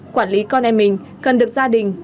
quản lý con em mình cần được gia đình